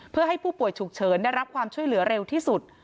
เพื่อให้ผู้ป่วยฉุกเฉินได้รับความช่วยเหลือเร็วที่สุด